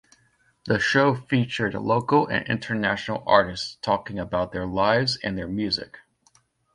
The show featured local and international artists talking about their lives and their music.